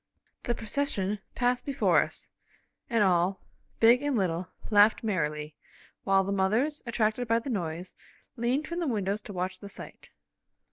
The procession passed before us, and all, big and little, laughed merrily, while the mothers, attracted by the noise, leaned from the windows to watch the sight.